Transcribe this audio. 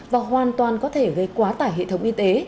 và hoàn toàn có thể gây quá tải hệ thống y tế